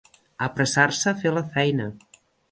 Apressar-se a fer la feina.